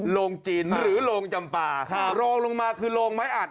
โรงจีนหรือโรงจำป่ารองลงมาคือโรงไม้อัด